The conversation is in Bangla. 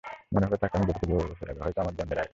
মনে হলো তাকে আমি দেখেছি বহু বছর আগে, হয়তো আমার জন্মের আগে।